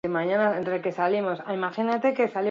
Bertatik aurrera beti aritu da irratian.